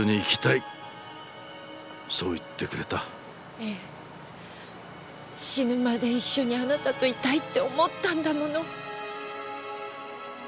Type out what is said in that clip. ええ死ぬまで一緒にあなたといたいって思ったんだもの。